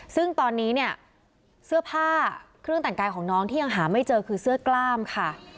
ซึ่งตอนนี้เนี่ยเสื้อผ้าเครื่องแต่งกายของน้องที่ยังหาไม่เจอคือเสื้อกล้ามค่ะ